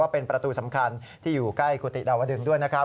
เป็นประตูสำคัญที่อยู่ใกล้กุฏิดาวดึงด้วยนะครับ